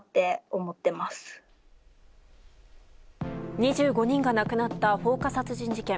２５人が亡くなった放火殺人事件。